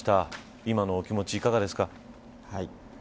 今のお気持ちいががですか。